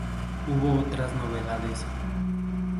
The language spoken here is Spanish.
Hubo otras novedades.